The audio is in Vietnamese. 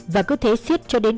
và cứ thế xiết cho đến